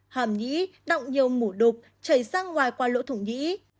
hòm nhĩ động nhiều mủ đục chảy sang ngoài qua lỗ thùng nhĩ